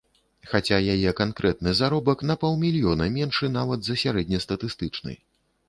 Хаця яе канкрэтны заробак на паўмільёна меншы нават за сярэднестатыстычны.